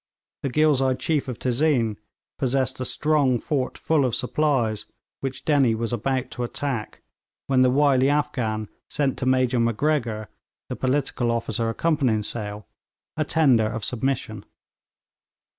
The Ghilzai chief of Tezeen possessed a strong fort full of supplies, which Dennie was about to attack, when the wily Afghan sent to Major Macgregor, the political officer accompanying Sale, a tender of submission.